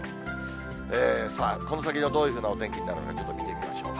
さあ、この先、どういうふうなお天気になるのか、ちょっと見てみましょう。